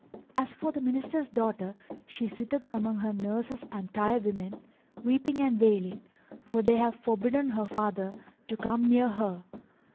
As for the Minister's daughter she sitteth among her nurses and tirewomen, weeping and wailing; for they have forbidden her father to come near her.